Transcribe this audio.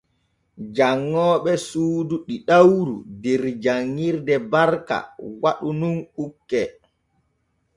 Janŋooɓe suudu ɗiɗawru der janŋirde Barka waɗu nun ukke.